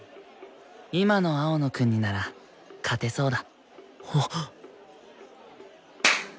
今の青野くんになら勝てそうだ。